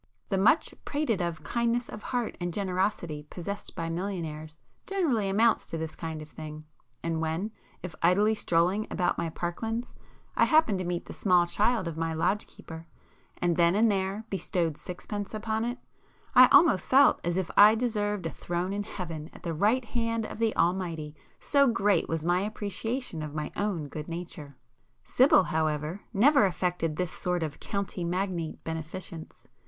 The much prated of 'kindness of heart' and 'generosity' possessed by millionaires, generally amounts to this kind of thing,—and when, if idly strolling about my parklands, I happened to meet the small child of my lodge keeper, and then and there bestowed sixpence upon it, I almost felt as if I deserved a throne in Heaven at the right hand of the Almighty, so great was my appreciation of my own good nature. Sibyl, however, never affected this sort of county magnate beneficence.